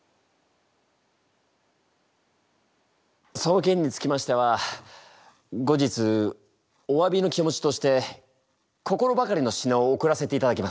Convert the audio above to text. そのけんにつきましては後日おわびの気持ちとして心ばかりの品を贈らせていただきます。